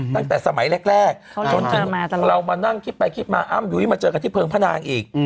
ตั้งแต่สมัยแรกจนถึงเรามานั่งคิดไปคิดมาอ้ำยุ้ยมาเจอกันที่เพิงพนางอีก